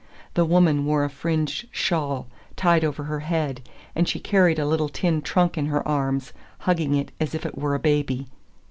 The woman wore a fringed shawl tied over her head, and she carried a little tin trunk in her arms, hugging it as if it were a baby.